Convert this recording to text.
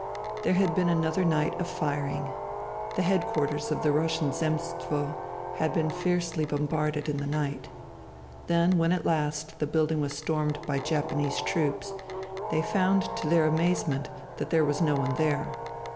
There had been another night of firing. The headquarters of the Russian Zemstvo had been fiercely bombarded in the night. Then when at last the building was stormed by Japanese troops they found, to their amazement, that there was no one there.